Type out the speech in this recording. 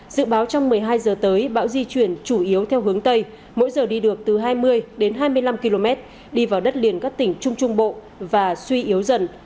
dự báo trong một mươi hai h tới bão di chuyển chủ yếu theo hướng tây mỗi giờ đi được từ hai mươi đến hai mươi năm km đi vào đất liền các tỉnh trung trung bộ và suy yếu dần